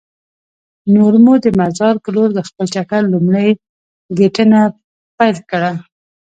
نور مو د مزار په لور د خپل چکر لومړۍ ګېنټه پیل کړه.